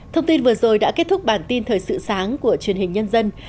thông tin vừa rồi đã kết thúc bản tin thời sự sáng của truyền hình nhân dân